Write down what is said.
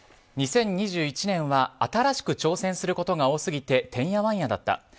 ２０２１年は新しく挑戦することが多すぎててんやわんやだった。